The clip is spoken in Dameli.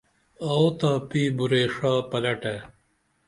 آو تاپی بُراعی ڜا پلٹے